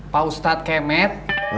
pak ustadz kemet